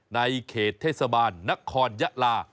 ในเขตเทศบาลนครยะลา